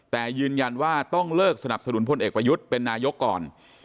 แต่ยืนยันว่าต้องเลิกสนับสนุนพลเอกประยุทธ์เป็นนายกก่อน